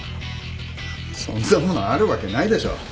そんなものあるわけないでしょう。